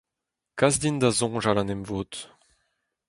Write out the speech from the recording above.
Kas din da soñjal en emvod